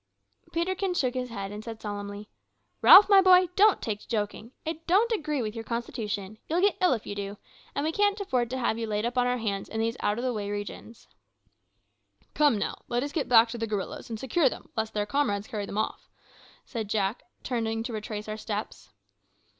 Peterkin shook his head, and said solemnly, "Ralph, my boy, don't take to joking. It don't agree with your constitution. You'll get ill if you do; and we can't afford to have you laid up on our hands in these out o' the way regions." "Come, now, let us back to the gorillas and secure them, lest their comrades carry them away," said Jack, turning to retrace our steps.